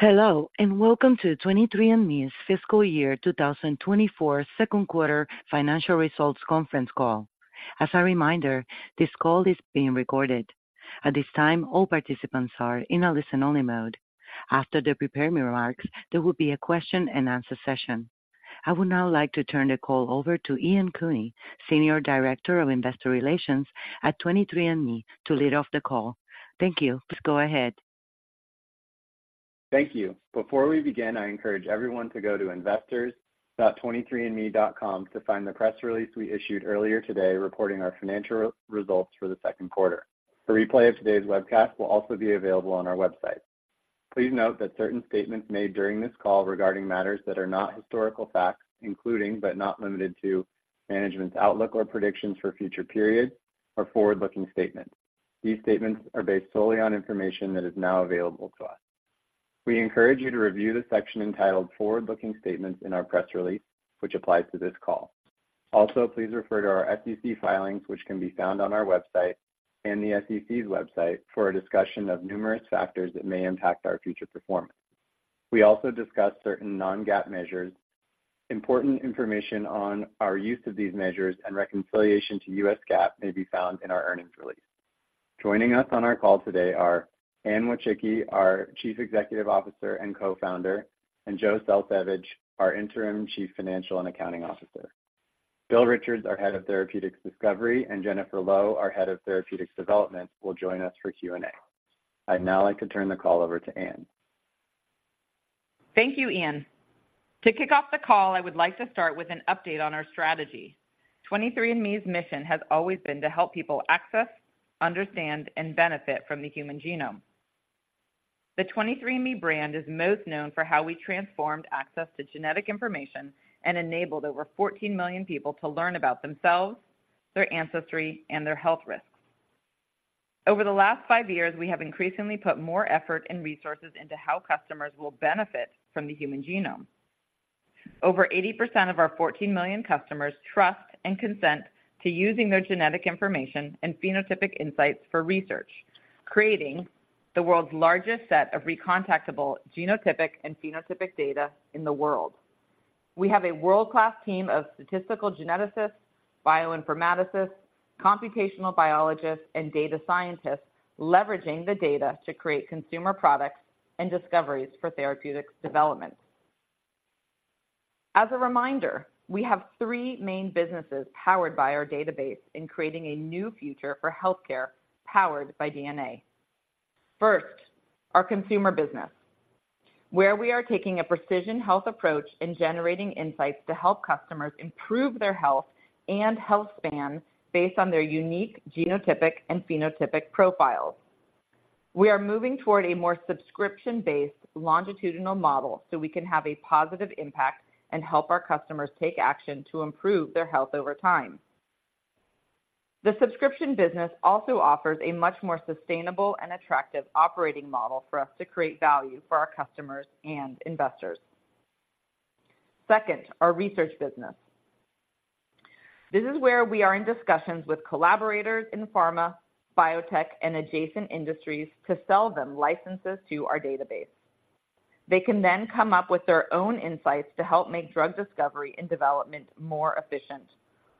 Hello, and welcome to 23andMe's fiscal year 2024 second quarter financial results conference call. As a reminder, this call is being recorded. At this time, all participants are in a listen-only mode. After the prepared remarks, there will be a question-and-answer session. I would now like to turn the call over to Ian Cooney, Senior Director of Investor Relations at 23andMe, to lead off the call. Thank you. Please go ahead. Thank you. Before we begin, I encourage everyone to go to investors.23andme.com to find the press release we issued earlier today, reporting our financial results for the second quarter. A replay of today's webcast will also be available on our website. Please note that certain statements made during this call regarding matters that are not historical facts, including, but not limited to, management's outlook or predictions for future periods, are forward-looking statements. These statements are based solely on information that is now available to us. We encourage you to review the section entitled Forward-Looking Statements in our press release, which applies to this call. Also, please refer to our SEC filings, which can be found on our website and the SEC's website, for a discussion of numerous factors that may impact our future performance. We also discuss certain non-GAAP measures. Important information on our use of these measures and reconciliation to U.S. GAAP may be found in our earnings release. Joining us on our call today are Anne Wojcicki, our Chief Executive Officer and Co-founder, and Joe Selsavage, our Interim Chief Financial and Accounting Officer. Bill Richards, our Head of Therapeutics Discovery, and Jennifer Low, our Head of Therapeutics Development, will join us for Q&A. I'd now like to turn the call over to Anne. Thank you, Ian. To kick off the call, I would like to start with an update on our strategy. 23andMe's mission has always been to help people access, understand, and benefit from the human genome. The 23andMe brand is most known for how we transformed access to genetic information and enabled over 14 million people to learn about themselves, their ancestry, and their health risks. Over the last 5 years, we have increasingly put more effort and resources into how customers will benefit from the human genome. Over 80% of our 14 million customers trust and consent to using their genetic information and phenotypic insights for research, creating the world's largest set of re-contactable genotypic and phenotypic data in the world. We have a world-class team of statistical geneticists, Bioinformaticists, computational biologists, and data scientists leveraging the data to create consumer products and discoveries for therapeutics development. As a reminder, we have three main businesses powered by our database in creating a new future for healthcare, powered by DNA. First, our consumer business, where we are taking a precision health approach in generating insights to help customers improve their health and health span based on their unique genotypic and phenotypic profiles. We are moving toward a more subscription-based longitudinal model so we can have a positive impact and help our customers take action to improve their health over time. The subscription business also offers a much more sustainable and attractive operating model for us to create value for our customers and investors. Second, our research business. This is where we are in discussions with collaborators in pharma, biotech, and adjacent industries to sell them licenses to our database. They can then come up with their own insights to help make drug discovery and development more efficient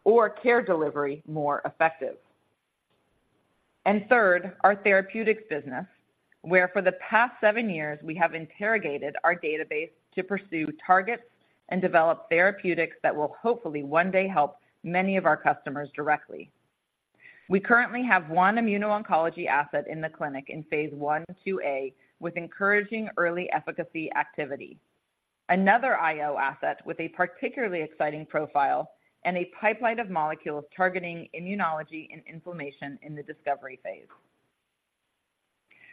or care delivery more effective. And third, our therapeutics business, where for the past seven years, we have interrogated our database to pursue targets and develop therapeutics that will hopefully one day help many of our customers directly. We currently have one immuno-oncology asset in the clinic in phase I, IIa, with encouraging early efficacy activity, another IO asset with a particularly exciting profile, and a pipeline of molecules targeting immunology and inflammation in the discovery phase.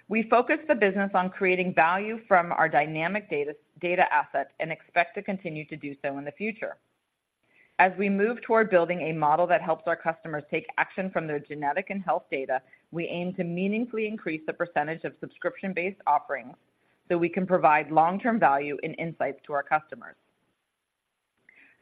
We focus the business on creating value from our dynamic data, data assets and expect to continue to do so in the future. As we move toward building a model that helps our customers take action from their genetic and health data, we aim to meaningfully increase the percentage of subscription-based offerings so we can provide long-term value and insights to our customers.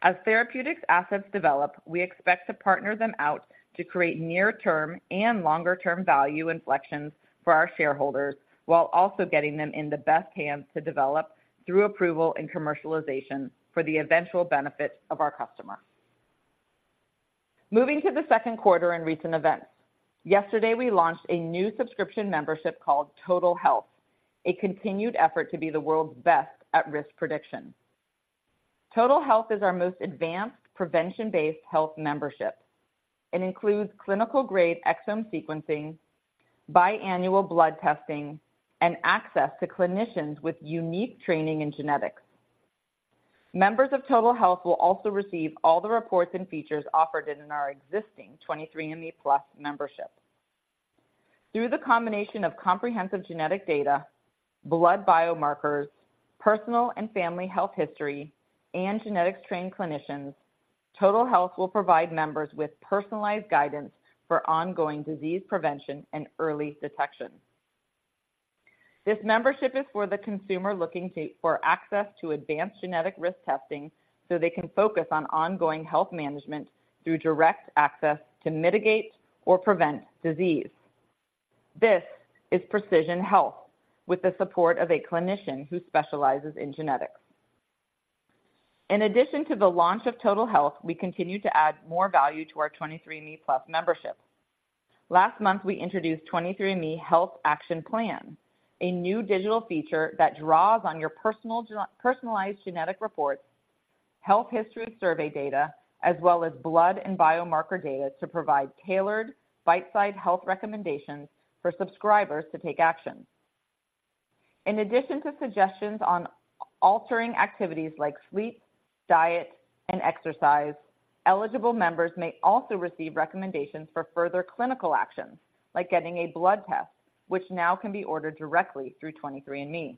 As therapeutics assets develop, we expect to partner them out to create near-term and longer-term value inflections for our shareholders, while also getting them in the best hands to develop through approval and commercialization for the eventual benefit of our customers. Moving to the second quarter and recent events. Yesterday, we launched a new subscription membership called Total Health, a continued effort to be the world's best at risk prediction. Total Health is our most advanced prevention-based health membership. It includes clinical-grade exome sequencing, biannual blood testing, and access to clinicians with unique training in genetics. Members of Total Health will also receive all the reports and features offered in our existing 23andMe Plus membership. Through the combination of comprehensive genetic data, blood biomarkers, personal and family health history, and genetics-trained clinicians, Total Health will provide members with personalized guidance for ongoing disease prevention and early detection. This membership is for the consumer looking for access to advanced genetic risk testing so they can focus on ongoing health management through direct access to mitigate or prevent disease. This is precision health, with the support of a clinician who specializes in genetics. In addition to the launch of Total Health, we continue to add more value to our 23andMe Plus membership. Last month, we introduced 23andMe Health Action Plan, a new digital feature that draws on your personalized genetic reports, health history survey data, as well as blood and biomarker data, to provide tailored, bite-sized health recommendations for subscribers to take action. In addition to suggestions on altering activities like sleep, diet, and exercise, eligible members may also receive recommendations for further clinical actions, like getting a blood test, which now can be ordered directly through 23andMe.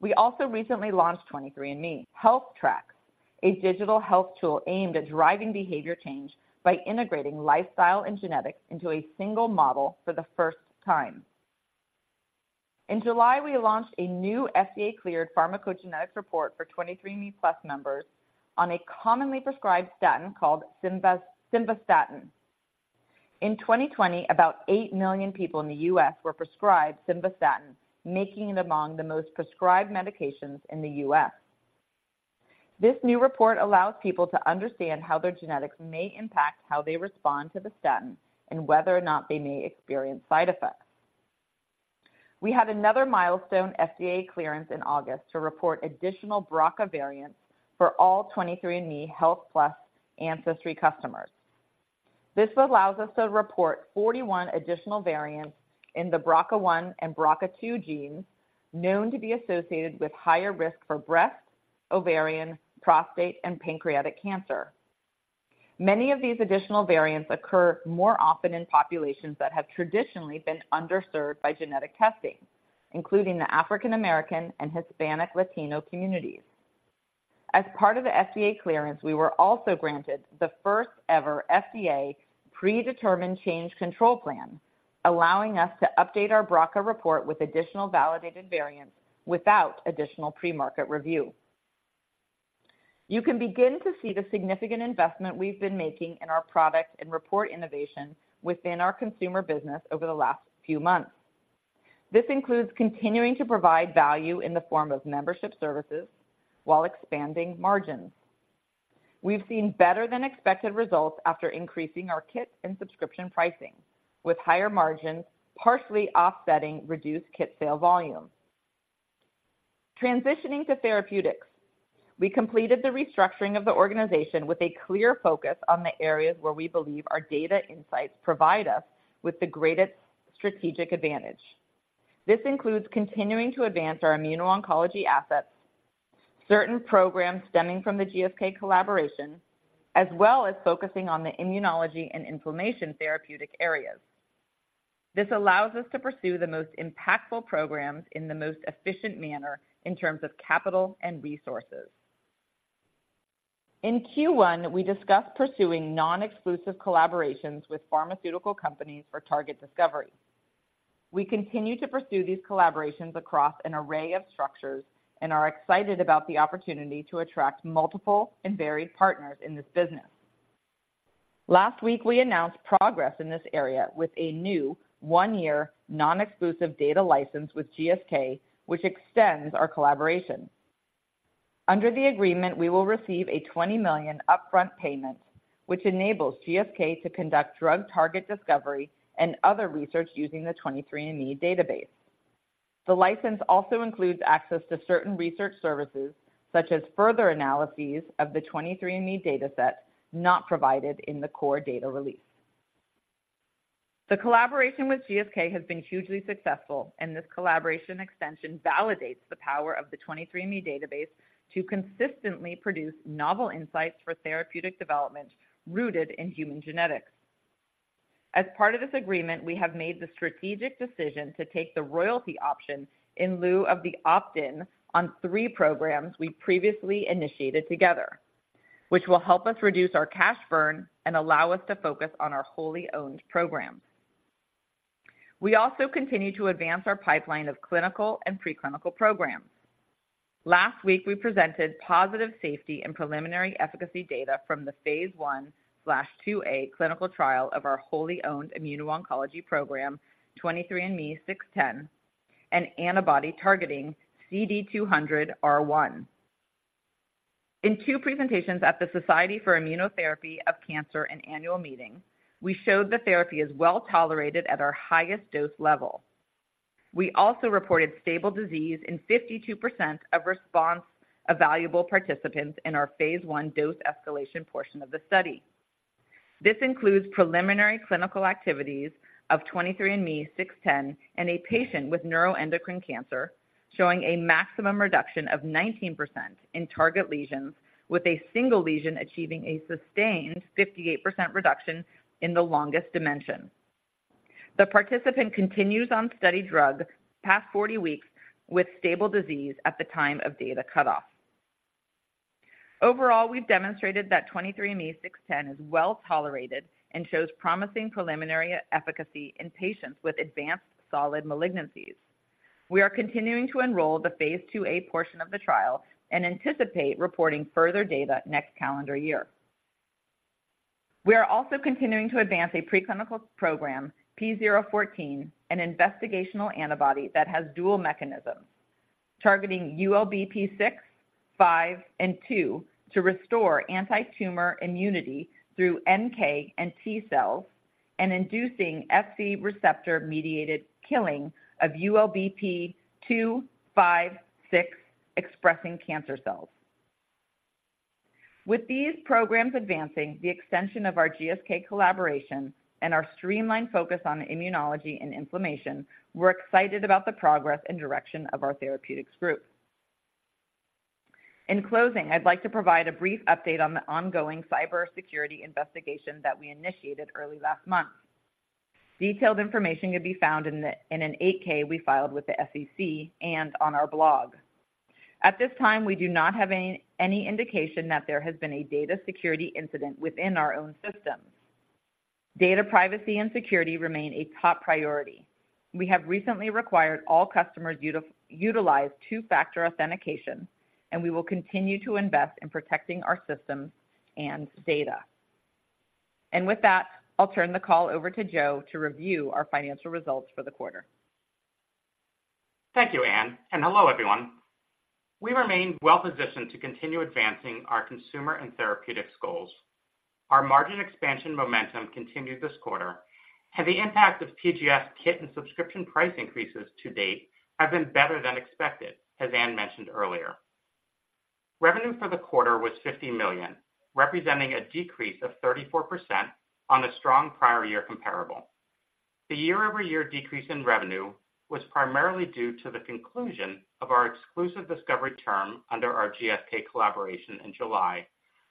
We also recently launched 23andMe Health Tracks, a digital health tool aimed at driving behavior change by integrating lifestyle and genetics into a single model for the first time. In July, we launched a new FDA-cleared pharmacogenetics report for 23andMe Plus members on a commonly prescribed statin called simvastatin. In 2020, about 8 million people in the U.S. were prescribed simvastatin, making it among the most prescribed medications in the U.S. This new report allows people to understand how their genetics may impact how they respond to the statin and whether or not they may experience side effects. We had another milestone FDA clearance in August to report additional BRCA variants for all 23andMe Health + Ancestry Customers. This allows us to report 41 additional variants in the BRCA1 and BRCA2 genes, known to be associated with higher risk for breast, ovarian, prostate, and pancreatic cancer. Many of these additional variants occur more often in populations that have traditionally been underserved by genetic testing, including the African American and Hispanic Latino communities. As part of the FDA clearance, we were also granted the first-ever FDA predetermined change control plan, allowing us to update our BRCA report with additional validated variants without additional pre-market review. You can begin to see the significant investment we've been making in our product and report innovation within our consumer business over the last few months. This includes continuing to provide value in the form of membership services while expanding margins. We've seen better-than-expected results after increasing our kit and subscription pricing, with higher margins partially offsetting reduced kit sale volumes. Transitioning to therapeutics, we completed the restructuring of the organization with a clear focus on the areas where we believe our data insights provide us with the greatest strategic advantage. This includes continuing to advance our immuno-oncology assets, certain programs stemming from the GSK collaboration, as well as focusing on the immunology and inflammation therapeutic areas. This allows us to pursue the most impactful programs in the most efficient manner in terms of capital and resources. In Q1, we discussed pursuing non-exclusive collaborations with pharmaceutical companies for target discovery. We continue to pursue these collaborations across an array of structures and are excited about the opportunity to attract multiple and varied partners in this business. Last week, we announced progress in this area with a new one-year non-exclusive data license with GSK, which extends our collaboration. Under the agreement, we will receive a $20 million upfront payment, which enables GSK to conduct drug target discovery and other research using the 23andMe database. The license also includes access to certain research services, such as further analyses of the 23andMe dataset not provided in the core data release. The collaboration with GSK has been hugely successful, and this collaboration extension validates the power of the 23andMe database to consistently produce novel insights for therapeutic development rooted in human genetics. As part of this agreement, we have made the strategic decision to take the royalty option in lieu of the opt-in on three programs we previously initiated together, which will help us reduce our cash burn and allow us to focus on our wholly owned programs. We also continue to advance our pipeline of clinical and preclinical programs. Last week, we presented positive safety and preliminary efficacy data from the Phase I/IIa clinical trial of our wholly owned immuno-oncology program, 23andMe-610, an antibody targeting CD200R1. In two presentations at the Society for Immunotherapy of Cancer, an annual meeting, we showed the therapy is well-tolerated at our highest dose level. We also reported stable disease in 52% of response evaluable participants in our phase I dose escalation portion of the study. This includes preliminary clinical activities of 23andMe-610 in a patient with neuroendocrine cancer, showing a maximum reduction of 19% in target lesions, with a single lesion achieving a sustained 58% reduction in the longest dimension. The participant continues on study drug past 40 weeks, with stable disease at the time of data cutoff. Overall, we've demonstrated that 23andMe-610 is well-tolerated and shows promising preliminary efficacy in patients with advanced solid malignancies.... We are continuing to enroll the phase IIa portion of the trial and anticipate reporting further data next calendar year. We are also continuing to advance a preclinical program, P014, an investigational antibody that has dual mechanisms, targeting ULBP6, ULBP5, and ULBP2 to restore anti-tumor immunity through NK and T cells, and inducing Fc receptor-mediated killing of ULBP2, ULBP5, ULBP6 expressing cancer cells. With these programs advancing, the extension of our GSK collaboration, and our streamlined focus on immunology and inflammation, we're excited about the progress and direction of our therapeutics group. In closing, I'd like to provide a brief update on the ongoing cybersecurity investigation that we initiated early last month. Detailed information can be found in an 8-K we filed with the SEC and on our blog. At this time, we do not have any, any indication that there has been a data security incident within our own systems. Data privacy and security remain a top priority. We have recently required all customers utilize two-factor authentication, and we will continue to invest in protecting our systems and data. With that, I'll turn the call over to Joe to review our financial results for the quarter. Thank you, Anne, and hello, everyone. We remain well-positioned to continue advancing our consumer and therapeutics goals. Our margin expansion momentum continued this quarter, and the impact of PGS kit and subscription price increases to date have been better than expected, as Anne mentioned earlier. Revenue for the quarter was $50 million, representing a decrease of 34% on a strong prior year comparable. The year-over-year decrease in revenue was primarily due to the conclusion of our exclusive discovery term under our GSK collaboration in July,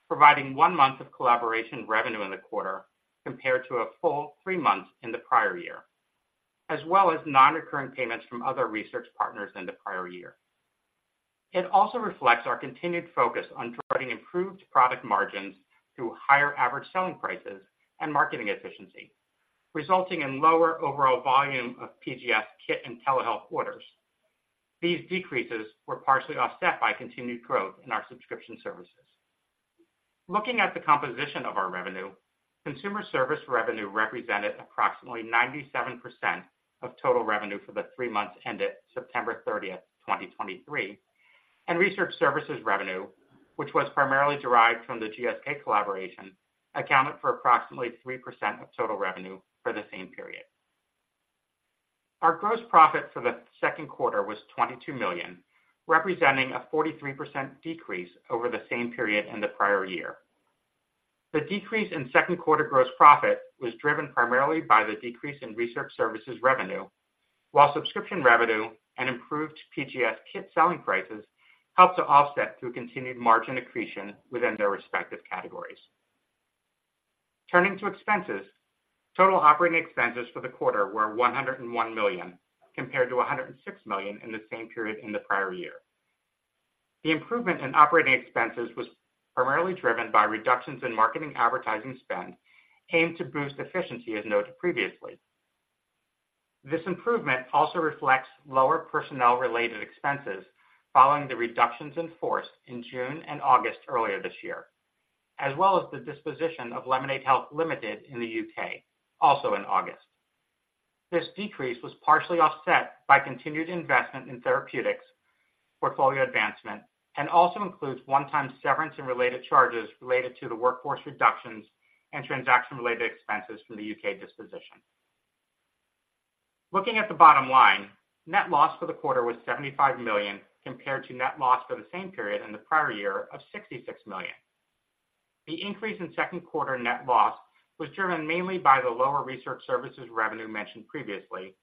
providing one month of collaboration revenue in the quarter compared to a full three months in the prior year, as well as non-recurring payments from other research partners in the prior year. It also reflects our continued focus on driving improved product margins through higher average selling prices and marketing efficiency, resulting in lower overall volume of PGS kit and telehealth orders. These decreases were partially offset by continued growth in our subscription services. Looking at the composition of our revenue, consumer service revenue represented approximately 97% of total revenue for the three months ended September 30th, 2023, and research services revenue, which was primarily derived from the GSK collaboration, accounted for approximately 3% of total revenue for the same period. Our gross profit for the second quarter was $22 million, representing a 43% decrease over the same period in the prior year. The decrease in second quarter gross profit was driven primarily by the decrease in research services revenue, while subscription revenue and improved PGS kit selling prices helped to offset through continued margin accretion within their respective categories. Turning to expenses, total operating expenses for the quarter were $101 million, compared to $106 million in the same period in the prior year. The improvement in operating expenses was primarily driven by reductions in marketing advertising spend, aimed to boost efficiency, as noted previously. This improvement also reflects lower personnel-related expenses following the reductions in force in June and August earlier this year, as well as the disposition of Lemonaid Health Limited in the U.K., also in August. This decrease was partially offset by continued investment in therapeutics, portfolio advancement, and also includes one-time severance and related charges related to the workforce reductions and transaction-related expenses from the U.K. disposition. Looking at the bottom line, net loss for the quarter was $75 million, compared to net loss for the same period in the prior year of $66 million. The increase in second quarter net loss was driven mainly by the lower research services revenue mentioned previously,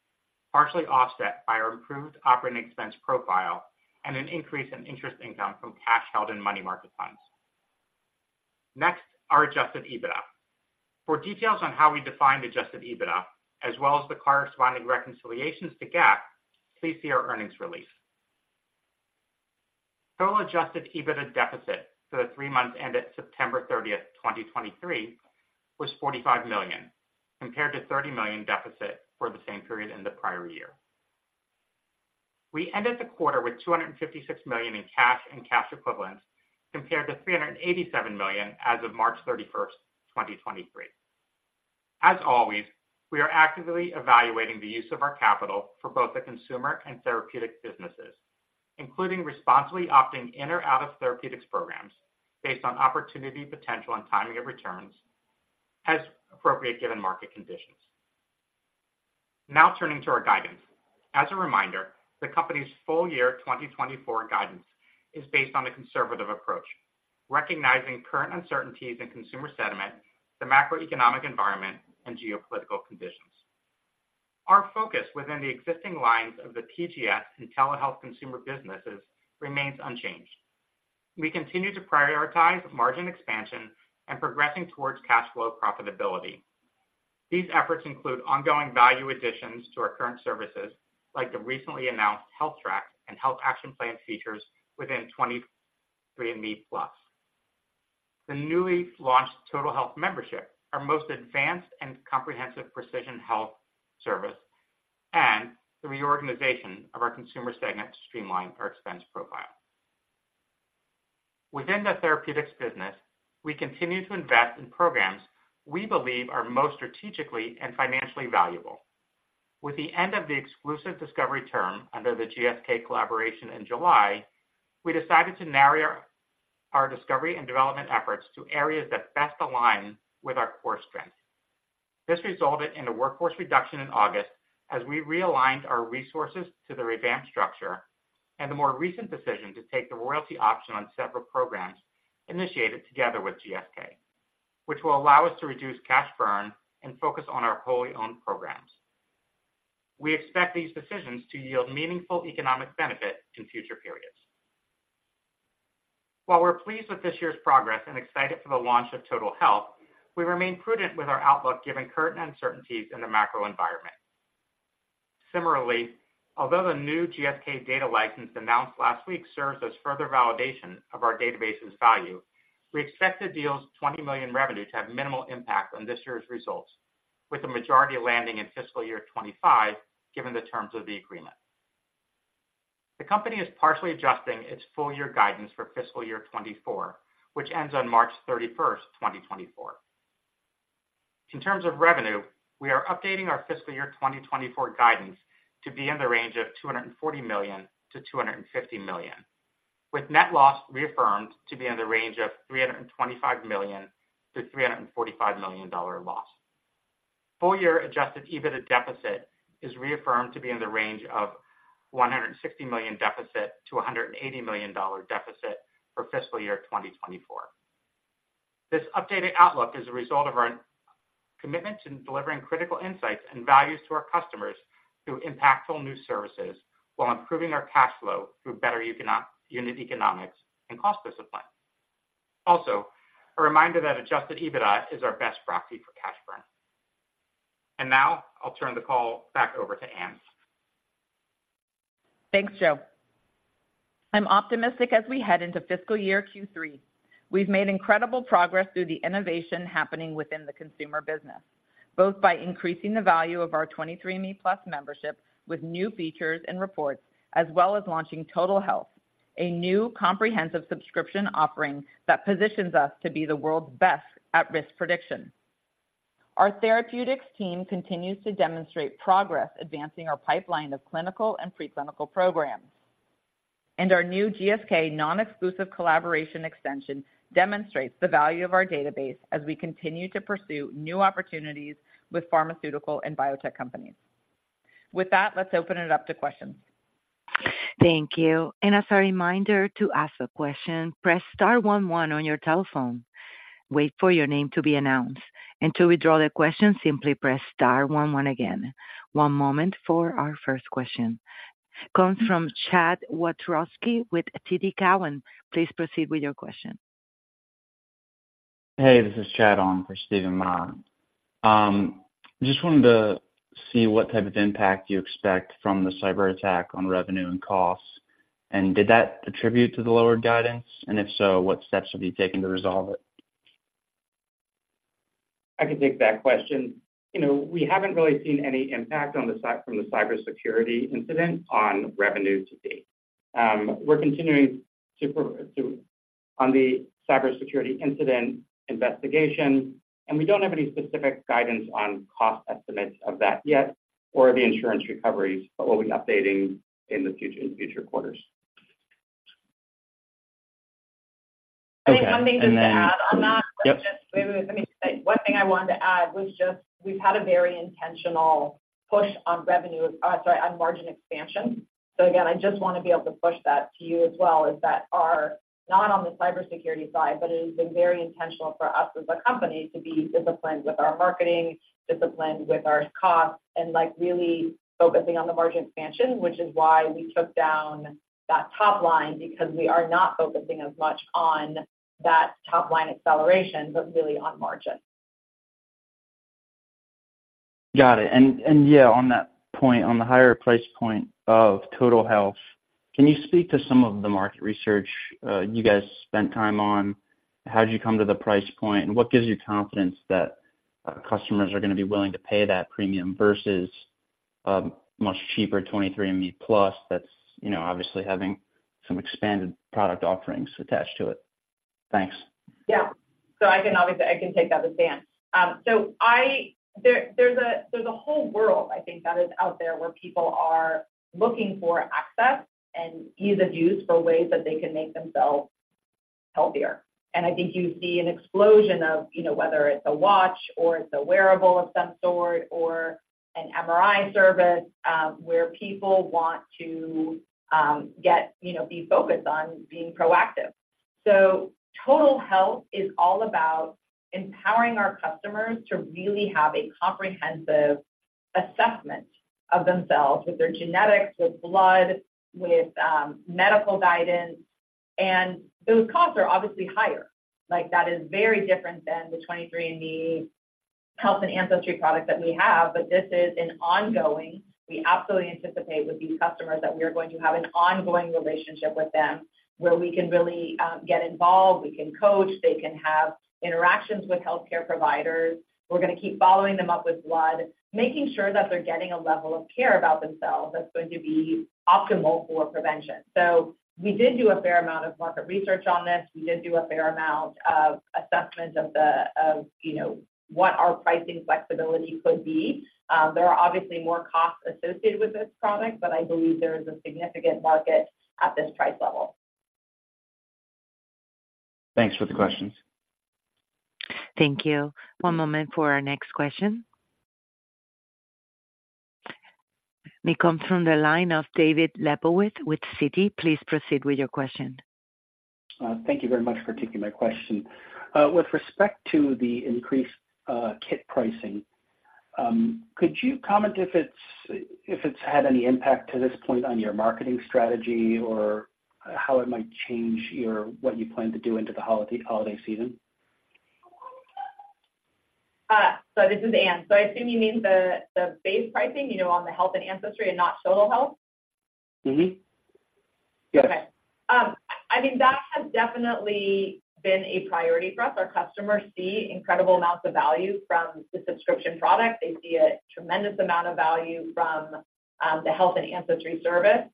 partially offset by our improved operating expense profile and an increase in interest income from cash held in money market funds. Next, our adjusted EBITDA. For details on how we define adjusted EBITDA, as well as the corresponding reconciliations to GAAP, please see our earnings release. Total adjusted EBITDA deficit for the three months ended September 30th, 2023, was $45 million, compared to $30 million deficit for the same period in the prior year. We ended the quarter with $256 million in cash and cash equivalents, compared to $387 million as of March 31st, 2023. As always, we are actively evaluating the use of our capital for both the consumer and therapeutic businesses, including responsibly opting in or out of therapeutics programs based on opportunity, potential, and timing of returns, as appropriate, given market conditions. Now, turning to our guidance. As a reminder, the company's full year 2024 guidance is based on a conservative approach, recognizing current uncertainties in consumer sentiment, the macroeconomic environment, and geopolitical conditions. Our focus within the existing lines of the PGS and telehealth consumer businesses remains unchanged. We continue to prioritize margin expansion and progressing towards cash flow profitability. These efforts include ongoing value additions to our current services, like the recently announced Health Tracks and Health Action Plan features within 23andMe Plus.... The newly launched Total Health membership, our most advanced and comprehensive precision health service, and the reorganization of our consumer segment to streamline our expense profile. Within the therapeutics business, we continue to invest in programs we believe are most strategically and financially valuable. With the end of the exclusive discovery term under the GSK collaboration in July, we decided to narrow our discovery and development efforts to areas that best align with our core strengths. This resulted in a workforce reduction in August as we realigned our resources to the revamped structure and the more recent decision to take the royalty option on several programs initiated together with GSK, which will allow us to reduce cash burn and focus on our wholly owned programs. We expect these decisions to yield meaningful economic benefit in future periods. While we're pleased with this year's progress and excited for the launch of Total Health, we remain prudent with our outlook, given current uncertainties in the macro environment. Similarly, although the new GSK data license announced last week serves as further validation of our database's value, we expect the deal's $20 million revenue to have minimal impact on this year's results, with the majority landing in fiscal year 2025, given the terms of the agreement. The company is partially adjusting its full-year guidance for fiscal year 2024, which ends on March 31, 2024. In terms of revenue, we are updating our fiscal year 2024 guidance to be in the range of $240 million-$250 million, with net loss reaffirmed to be in the range of $325 million-$345 million dollar loss. Full-year Adjusted EBITDA deficit is reaffirmed to be in the range of $160 million-$180 million deficit for fiscal year 2024. This updated outlook is a result of our commitment to delivering critical insights and values to our customers through impactful new services while improving our cash flow through better unit economics and cost discipline. Also, a reminder that Adjusted EBITDA is our best proxy for cash burn. Now I'll turn the call back over to Anne. Thanks, Joe. I'm optimistic as we head into fiscal year Q3. We've made incredible progress through the innovation happening within the consumer business, both by increasing the value of our 23andMe Plus membership with new features and reports, as well as launching Total Health, a new comprehensive subscription offering that positions us to be the world's best at risk prediction. Our therapeutics team continues to demonstrate progress advancing our pipeline of clinical and preclinical programs, and our new GSK non-exclusive collaboration extension demonstrates the value of our database as we continue to pursue new opportunities with pharmaceutical and biotech companies. With that, let's open it up to questions. Thank you. And as a reminder, to ask a question, press star one one on your telephone. Wait for your name to be announced, and to withdraw the question, simply press star one one again. One moment for our first question. Comes from Chad Wiatrowski with TD Cowen. Please proceed with your question. Hey, this is Chad on for Steven Ma. Just wanted to see what type of impact you expect from the cyberattack on revenue and costs, and did that attribute to the lower guidance? And if so, what steps have you taken to resolve it? I can take that question. You know, we haven't really seen any impact from the cybersecurity incident on revenue to date. We're continuing on the cybersecurity incident investigation, and we don't have any specific guidance on cost estimates of that yet, or the insurance recoveries, but we'll be updating in the future, in future quarters. Okay, and then- Let me just add on that. Yep. Wait, wait, let me say, one thing I wanted to add was just we've had a very intentional push on revenue, sorry, on margin expansion. So again, I just want to be able to push that to you as well, is that our, not on the cybersecurity side, but it has been very intentional for us as a company to be disciplined with our marketing, disciplined with our costs, and, like, really focusing on the margin expansion, which is why we took down that top line, because we are not focusing as much on that top-line acceleration, but really on margin. Got it. And yeah, on that point, on the higher price point of Total Health, can you speak to some of the market research you guys spent time on? How'd you come to the price point, and what gives you confidence that customers are gonna be willing to pay that premium versus much cheaper 23andMe Plus, that's, you know, obviously having some expanded product offerings attached to it? Thanks. Yeah. So I can obviously take that. This is Anne. So there’s a whole world, I think, that is out there where people are looking for access and ease of use for ways that they can make themselves healthier. And I think you see an explosion of, you know, whether it’s a watch or it’s a wearable of some sort, or an MRI service, where people want to get, you know, be focused on being proactive. So Total Health is all about empowering our customers to really have a comprehensive assessment of themselves with their genetics, with blood, with medical guidance, and those costs are obviously higher. Like, that is very different than the 23andMe-... Health and ancestry product that we have, but this is an ongoing. We absolutely anticipate with these customers that we are going to have an ongoing relationship with them, where we can really get involved, we can coach, they can have interactions with healthcare providers. We're going to keep following them up with blood, making sure that they're getting a level of care about themselves that's going to be optimal for prevention. So we did do a fair amount of market research on this. We did do a fair amount of assessment of the you know, what our pricing flexibility could be. There are obviously more costs associated with this product, but I believe there is a significant market at this price level. Thanks for the questions. Thank you. One moment for our next question. It comes from the line of David Lebowitz with Citi. Please proceed with your question. Thank you very much for taking my question. With respect to the increased kit pricing, could you comment if it's had any impact to this point on your marketing strategy or how it might change what you plan to do into the holiday season? So this is Anne. So I assume you mean the base pricing, you know, on the health and ancestry and not Total Health? Mm-hmm. Yes. Okay. I mean, that has definitely been a priority for us. Our customers see incredible amounts of value from the subscription product. They see a tremendous amount of value from the health and ancestry service.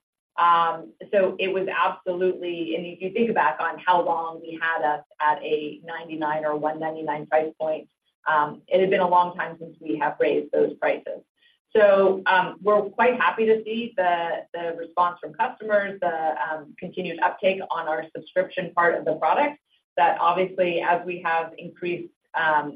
So it was absolutely, and if you think back on how long we had us at a $99 or $199 price point, it had been a long time since we have raised those prices. So we're quite happy to see the response from customers, the continued uptake on our subscription part of the product, that obviously, as we have increased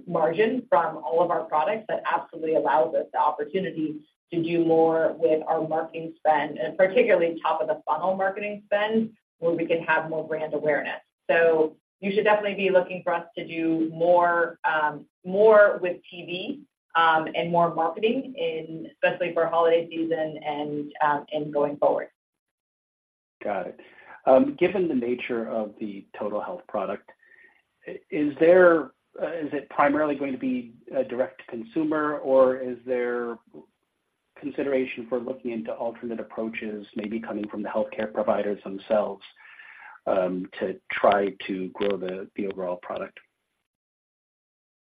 margin from all of our products, that absolutely allows us the opportunity to do more with our marketing spend, and particularly top-of-the-funnel marketing spend, where we can have more brand awareness. So you should definitely be looking for us to do more, more with TV, and more marketing in, especially for holiday season and, and going forward. Got it. Given the nature of the Total Health product, is there, is it primarily going to be a direct-to-consumer, or is there consideration for looking into alternate approaches, maybe coming from the healthcare providers themselves, to try to grow the overall product?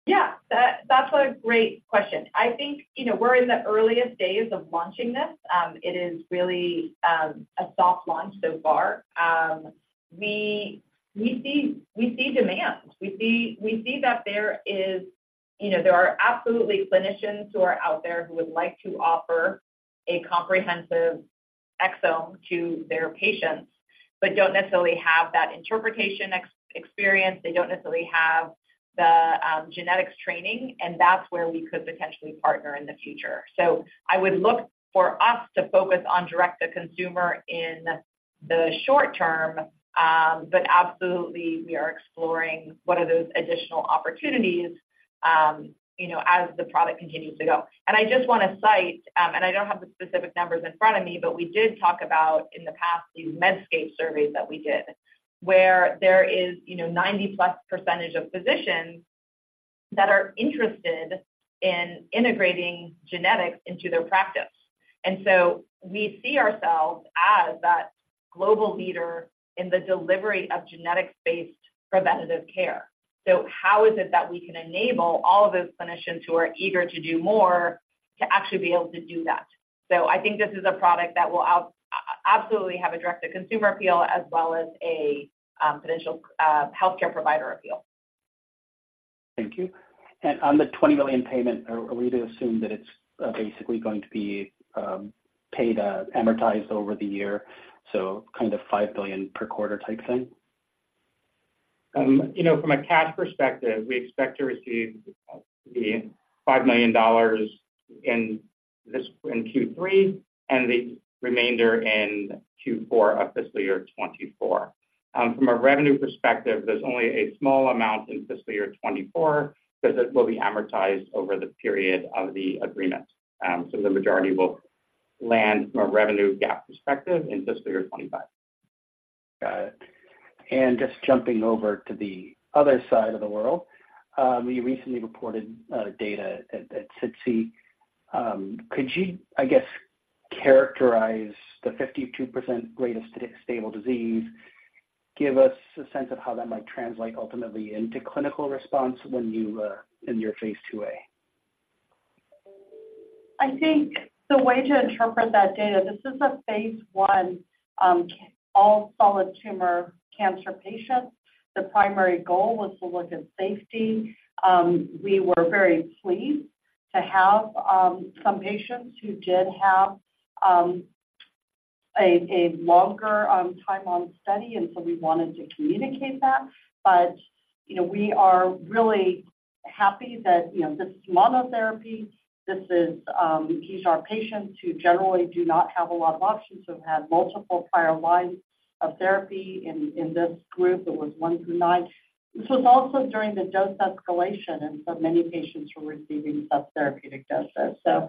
Yeah, that's a great question. I think, you know, we're in the earliest days of launching this. It is really a soft launch so far. We see demand. We see that there is, you know, there are absolutely clinicians who are out there who would like to offer a comprehensive exome to their patients, but don't necessarily have that interpretation experience. They don't necessarily have the genetics training, and that's where we could potentially partner in the future. So I would look for us to focus on direct-to-consumer in the short term, but absolutely we are exploring what are those additional opportunities, you know, as the product continues to go. I just want to cite, and I don't have the specific numbers in front of me, but we did talk about in the past, these Medscape surveys that we did, where there is, you know, 90+ percentage of physicians that are interested in integrating genetics into their practice. And so we see ourselves as that global leader in the delivery of genetics-based preventive care. So how is it that we can enable all of those clinicians who are eager to do more to actually be able to do that? So I think this is a product that will absolutely have a direct-to-consumer appeal as well as a potential healthcare provider appeal. Thank you. And on the $20 million payment, are we to assume that it's basically going to be paid amortized over the year, so kind of $5 billion per quarter type thing? You know, from a cash perspective, we expect to receive the $5 million in this, in Q3 and the remainder in Q4 of fiscal year 2024. From a revenue perspective, there's only a small amount in fiscal year 2024 because it will be amortized over the period of the agreement. So the majority will land from a revenue GAAP perspective in fiscal year 2025. Got it. And just jumping over to the other side of the world, you recently reported data at SITC. Could you, I guess, characterize the 52% rate of stable disease? Give us a sense of how that might translate ultimately into clinical response when you in your phase IIa. I think the way to interpret that data, this is a phase I, all solid tumor cancer patients. The primary goal was to look at safety. We were very pleased to have some patients who did have a longer time on study, and so we wanted to communicate that. You know, we are really happy that, you know, this monotherapy, this is, we treat our patients who generally do not have a lot of options, who have had multiple prior lines of therapy. In this group, it was one through 9. This was also during the dose escalation, and so many patients were receiving subtherapeutic doses. So,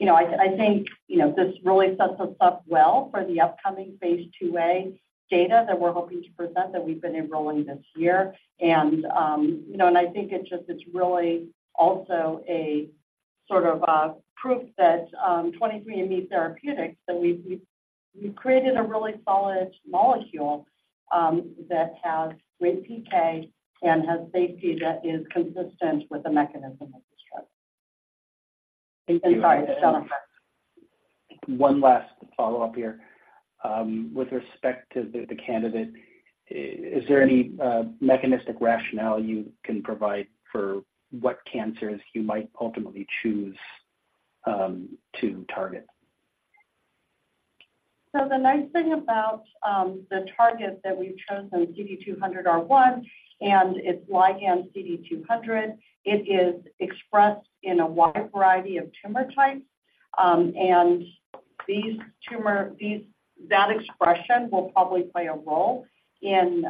you know, I think, you know, this really sets us up well for the upcoming phase IIa data that we're hoping to present, that we've been enrolling this year. You know, and I think it's just really also a sort of proof that 23andMe Therapeutics that we've created a really solid molecule that has great PK and has safety that is consistent with the mechanism of this drug. Thank you. Sorry, go ahead. One last follow-up here. With respect to the candidate, is there any mechanistic rationale you can provide for what cancers you might ultimately choose to target? So the nice thing about the target that we've chosen, CD200R1, and its ligand CD200, it is expressed in a wide variety of tumor types. And these tumor, these that expression will probably play a role in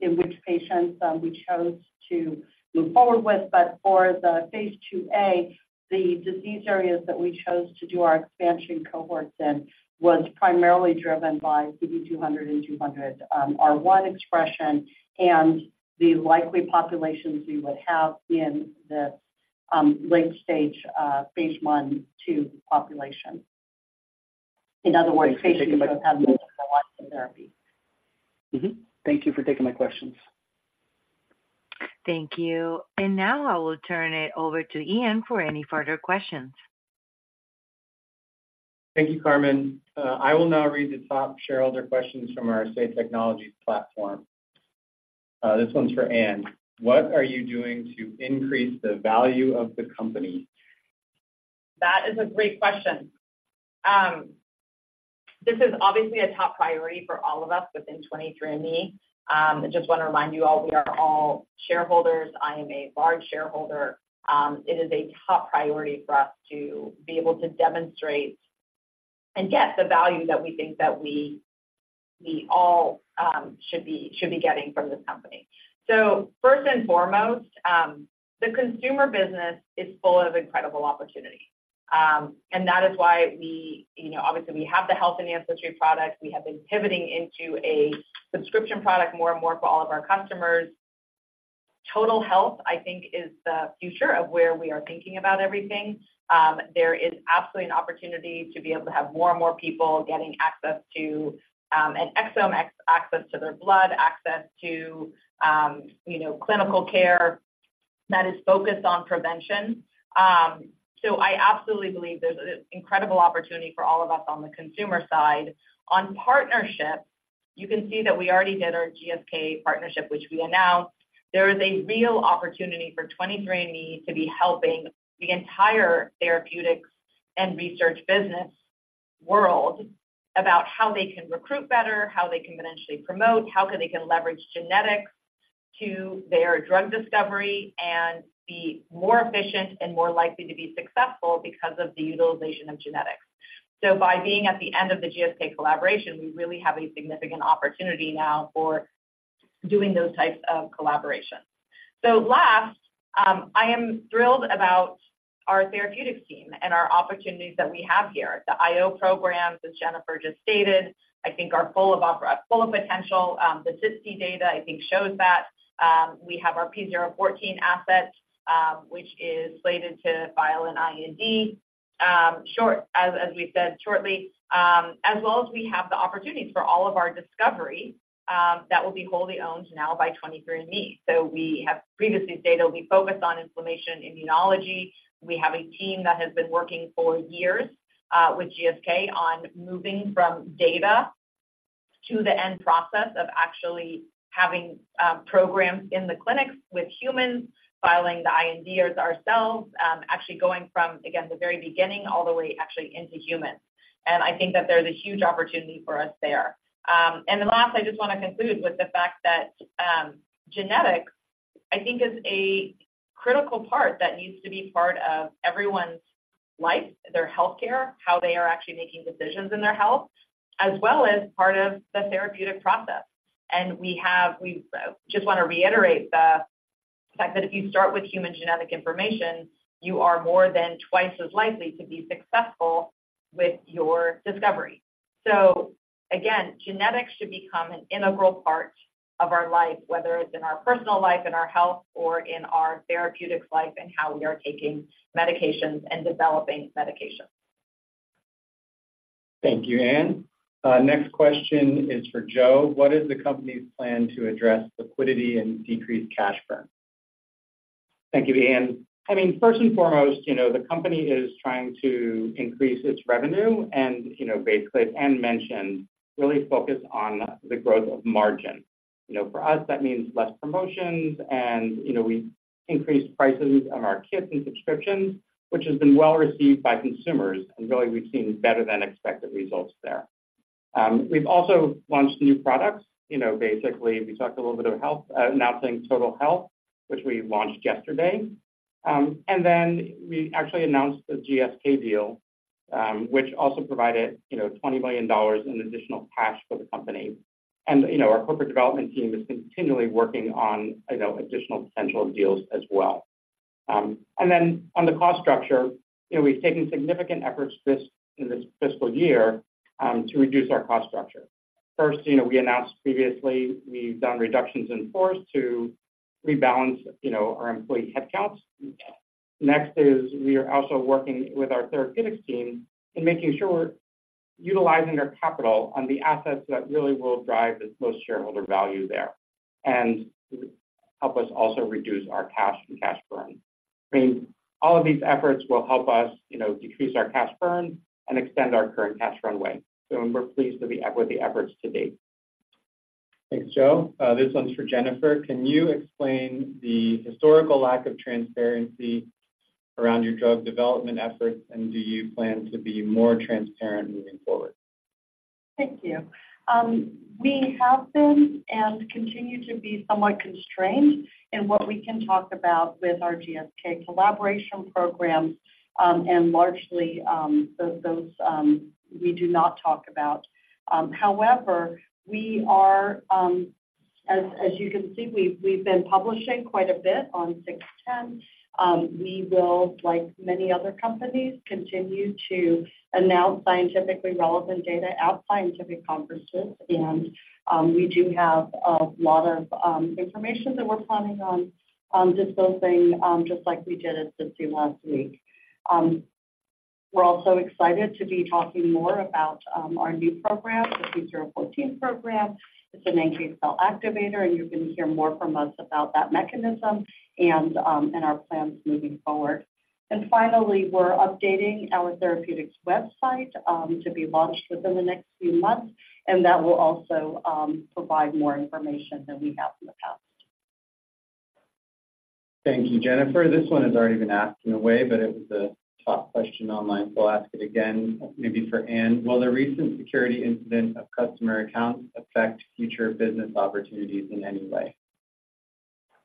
in which patients we chose to move forward with. But for the phase IIa, the disease areas that we chose to do our expansion cohorts in was primarily driven by CD200 and 200R1 expression and the likely populations we would have in the late stage phase I, II population. In other words, patients that have therapy. Mm-hmm. Thank you for taking my questions. Thank you. And now I will turn it over to Ian for any further questions. Thank you, Carmen. I will now read the top shareholder questions from our Say Technologies platform. This one's for Anne. What are you doing to increase the value of the company? That is a great question. This is obviously a top priority for all of us within 23andMe. I just want to remind you all, we are all shareholders. I am a large shareholder. It is a top priority for us to be able to demonstrate and get the value that we think that we all should be getting from this company. So first and foremost, the consumer business is full of incredible opportunity. And that is why we, you know, obviously, we have the health and ancestry products. We have been pivoting into a subscription product more and more for all of our customers. Total Health, I think, is the future of where we are thinking about everything. There is absolutely an opportunity to be able to have more and more people getting access to, an exome access to their blood, access to, you know, clinical care that is focused on prevention. So I absolutely believe there's an incredible opportunity for all of us on the consumer side. On partnership, you can see that we already did our GSK partnership, which we announced. There is a real opportunity for 23andMe to be helping the entire therapeutics and research business world about how they can recruit better, how they can financially promote, how they can leverage genetics to their drug discovery and be more efficient and more likely to be successful because of the utilization of genetics. So by being at the end of the GSK collaboration, we really have a significant opportunity now for doing those types of collaborations. So last, I am thrilled about our therapeutics team and our opportunities that we have here. The IO programs, as Jennifer just stated, I think are full of potential. The SITC data, I think, shows that we have our P014 asset, which is slated to file an IND shortly, as we said. As well as we have the opportunities for all of our discovery that will be wholly owned now by 23andMe. So we have previously stated we focused on inflammation, immunology. We have a team that has been working for years with GSK on moving from data to the end process of actually having programs in the clinics with humans, filing the IND ourselves, actually going from, again, the very beginning, all the way actually into humans. I think that there's a huge opportunity for us there. Last, I just want to conclude with the fact that genetics, I think, is a critical part that needs to be part of everyone's life, their healthcare, how they are actually making decisions in their health, as well as part of the therapeutic process. We just want to reiterate the fact that if you start with human genetic information, you are more than twice as likely to be successful with your discovery. Again, genetics should become an integral part of our life, whether it's in our personal life and our health, or in our therapeutics life and how we are taking medications and developing medications. Thank you, Anne. Next question is for Joe. What is the company's plan to address liquidity and decreased cash burn? Thank you, Ian. I mean, first and foremost, you know, the company is trying to increase its revenue and, you know, basically, Anne mentioned, really focus on the growth of margin. You know, for us, that means less promotions and, you know, we increased prices on our kits and subscriptions, which has been well-received by consumers, and really we've seen better than expected results there. We've also launched new products. You know, basically, we talked a little bit about health, announcing Total Health, which we launched yesterday. And then we actually announced the GSK deal, which also provided, you know, $20 million in additional cash for the company. And, you know, our corporate development team is continually working on, you know, additional potential deals as well. And then on the cost structure, you know, we've taken significant efforts this, in this fiscal year, to reduce our cost structure. First, you know, we announced previously we've done reductions in force to rebalance, you know, our employee headcounts. Next is we are also working with our therapeutics team in making sure we're utilizing our capital on the assets that really will drive the most shareholder value there and help us also reduce our cash and cash burn. I mean, all of these efforts will help us, you know, decrease our cash burn and extend our current cash runway. So we're pleased with the efforts to date. Thanks, Joe. This one's for Jennifer. Can you explain the historical lack of transparency around your drug development efforts, and do you plan to be more transparent moving forward? Thank you. We have been and continue to be somewhat constrained in what we can talk about with our GSK collaboration program, and largely, those we do not talk about. However, we are, as you can see, we've been publishing quite a bit on 610. We will, like many other companies, continue to announce scientifically relevant data at scientific conferences, and we do have a lot of information that we're planning on disclosing, just like we did at the last week. We're also excited to be talking more about our new program, the P014 program. It's an NK cell activator, and you're going to hear more from us about that mechanism and our plans moving forward. And finally, we're updating our therapeutics website to be launched within the next few months, and that will also provide more information than we have in the past. Thank you, Jennifer. This one has already been asked in a way, but it was a top question online, so I'll ask it again, maybe for Anne. Will the recent security incident of customer accounts affect future business opportunities in any way?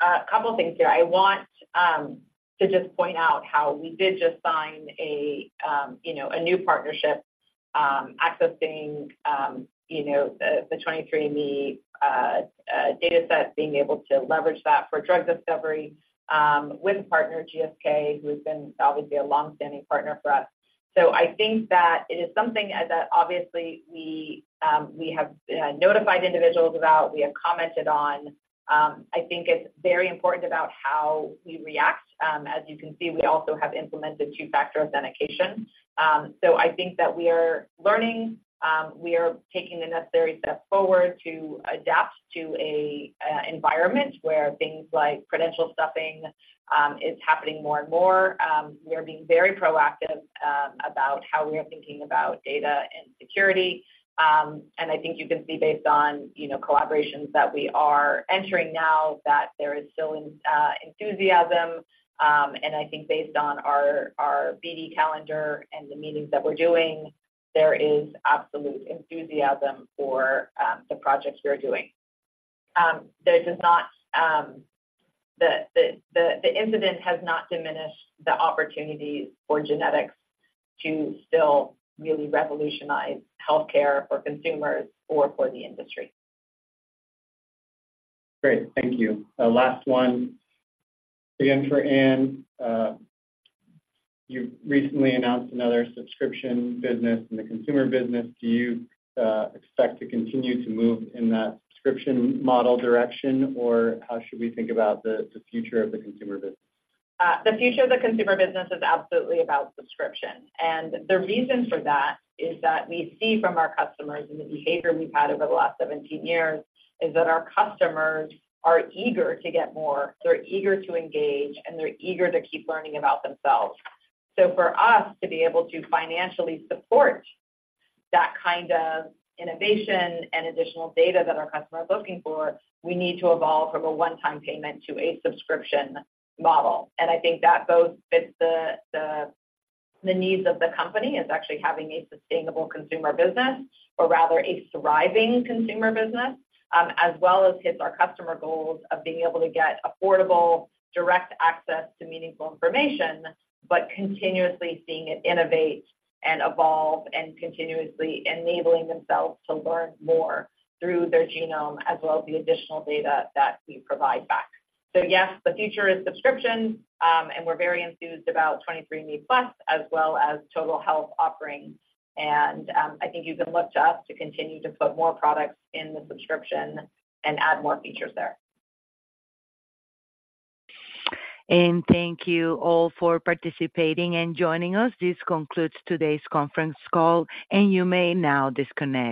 A couple of things here. I want to just point out how we did just sign a, you know, a new partnership, accessing, you know, the 23andMe data set, being able to leverage that for drug discovery with partner GSK, who's been obviously a long-standing partner for us. So I think that it is something that obviously we have notified individuals about, we have commented on. I think it's very important about how we react. As you can see, we also have implemented two-factor authentication. So I think that we are learning. We are taking the necessary step forward to adapt to an environment where things like credential stuffing is happening more and more. We are being very proactive about how we are thinking about data and security. And I think you can see, based on, you know, collaborations that we are entering now, that there is still enthusiasm. And I think based on our BD calendar and the meetings that we're doing, there is absolute enthusiasm for the projects we are doing. There does not. The incident has not diminished the opportunities for genetics to still really revolutionize healthcare for consumers or for the industry. Great. Thank you. The last one, again for Anne. You've recently announced another subscription business in the consumer business. Do you expect to continue to move in that subscription model direction, or how should we think about the, the future of the consumer business? The future of the consumer business is absolutely about subscription. The reason for that is that we see from our customers and the behavior we've had over the last 17 years, is that our customers are eager to get more, they're eager to engage, and they're eager to keep learning about themselves. For us to be able to financially support that kind of innovation and additional data that our customers are looking for, we need to evolve from a one-time payment to a subscription model. And I think that both fits the needs of the company, is actually having a sustainable consumer business, or rather a thriving consumer business, as well as hits our customer goals of being able to get affordable, direct access to meaningful information, but continuously seeing it innovate and evolve and continuously enabling themselves to learn more through their genome, as well as the additional data that we provide back. So yes, the future is subscription, and we're very enthused about 23andMe Plus, as well as Total Health offerings. And I think you can look to us to continue to put more products in the subscription and add more features there. Thank you all for participating and joining us. This concludes today's conference call, and you may now disconnect.